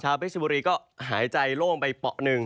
ชาวเพชรบุรีก็หายใจโล่งไปป๋อนึง